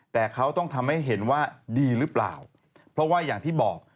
แต่เขาต้องทำให้เห็นว่าดีหรือเปล่าเพราะว่าอย่างที่บอก